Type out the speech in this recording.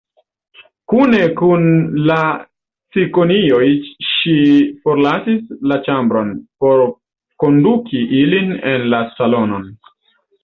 Kune kun la cikonioj ŝi forlasis la ĉambron, por konduki ilin en la salonon.